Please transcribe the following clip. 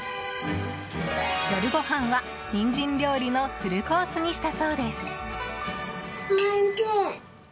夜ごはんは、ニンジン料理のフルコースにしたそうです。